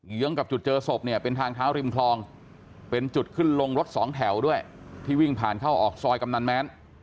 ื้องกับจุดเจอศพเนี่ยเป็นทางเท้าริมคลองเป็นจุดขึ้นลงรถสองแถวด้วยที่วิ่งผ่านเข้าออกซอยกำนันแม้น